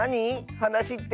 はなしって。